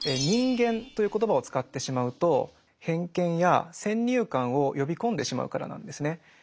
人間という言葉を使ってしまうと偏見や先入観を呼び込んでしまうからなんですね。